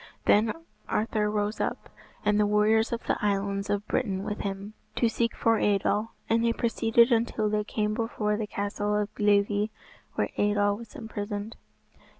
Then Arthur rose up, and the warriors of the Islands of Britain with him, to seek for Eidoel; and they proceeded until they came before the castle of Glivi, where Eidoel was imprisoned.